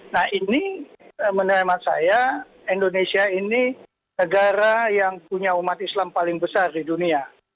nah ini menurut saya indonesia ini negara yang punya umat islam paling besar di dunia